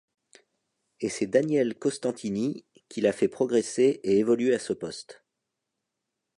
Et c'est Daniel Costantini qui l'a fait progresser et évoluer à ce poste.